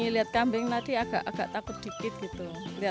lihat kambing tadi agak agak takut dikit gitu